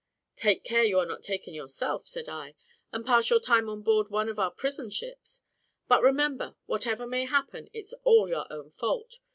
"Take care you are not taken yourself," said I, "and pass your time on board one of our prison ships; but, remember, whatever may happen, it's all your own fault.